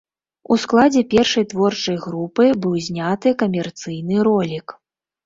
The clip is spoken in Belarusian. У складзе першай творчай групы быў зняты камерцыйны ролік.